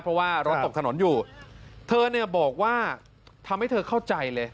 เพราะว่ารถตกถนนอยู่เธอเนี่ยบอกว่าทำให้เธอเข้าใจเลย